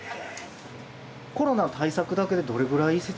コロナ対策だけでどれぐらい設備投資？